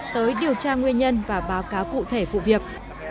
tới điều tra nguyên nhân và báo cáo cụ thể vụ việc